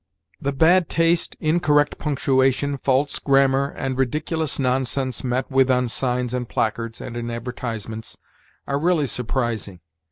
The bad taste, incorrect punctuation, false grammar, and ridiculous nonsense met with on signs and placards, and in advertisements, are really surprising.